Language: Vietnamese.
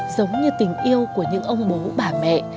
giống như tình yêu của những ông bố bà mẹ